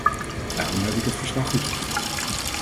Daarom heb ik het verslag goedgekeurd.